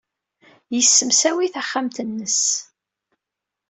Yessemsawi taxxamt-nnes.